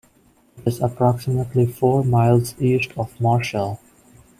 It is approximately four miles east of Marshall.